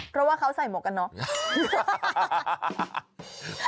เพราะว่าเขาใส่หมวกกันน็อก